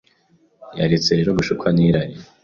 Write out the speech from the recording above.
Yaretse rero gushukwa n'irari